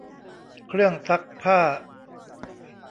เครื่องซักผ้า